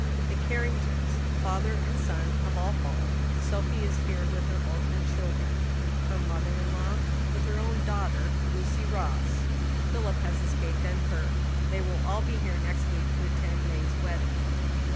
"The Carringtons father and sons have all fallen, Sophie is here, with her orphan children; her mother in law, with her own daughter, Lucy Ross. Philip has escaped unhurt. They will all be here next week to attend May's wedding.